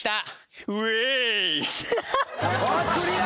クリア。